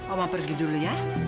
oma pergi dulu ya